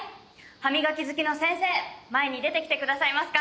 歯磨き好きの先生前に出てきてくださいますか？